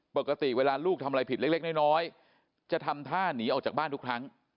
ปกติเวลาลูกทำอะไรผิดเล็กน้อยจะทำท่าหนีออกจากบ้านทุกครั้ง